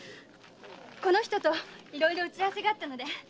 この人といろいろ打ち合わせがあったので。